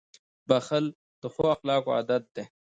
• بښل د ښو خلکو عادت دی.